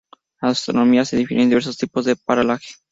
En astronomía se definen diversos tipos de paralaje.